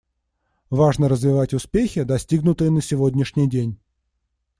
Важно развивать успехи, достигнутые на сегодняшний день.